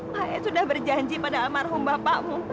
saya sudah berjanji pada almarhum bapakmu